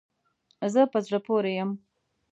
زه په زړه پوری یم